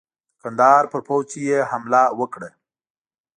د کندهار پر پوځ یې حمله وکړه.